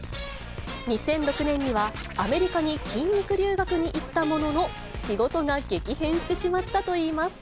２００６年には、アメリカに筋肉留学に行ったものの、仕事が激減してしまったといいます。